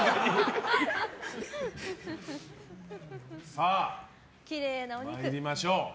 さあ、参りましょう。